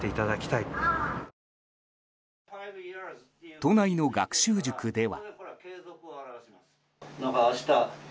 都内の学習塾では。